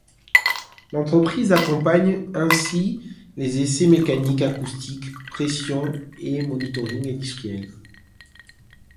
L'entreprise accompagne ainsi les essais mécaniques, acoustiques, pression, et le monitoring industriel.